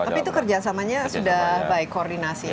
tapi itu kerjasamanya sudah baik koordinasinya